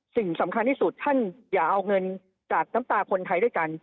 สิ่งสำคัญที่สุดท่านอย่าเอาเงินจากน้ำตาคนไทยด้วยกัน